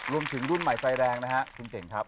ร่วมถึงรุ่นใหม่ไฟแรงคุณเก่งครับ